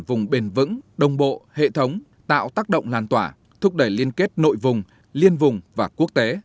vùng bền vững đồng bộ hệ thống tạo tác động lan tỏa thúc đẩy liên kết nội vùng liên vùng và quốc tế